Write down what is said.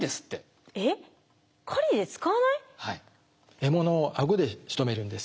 獲物を顎でしとめるんです。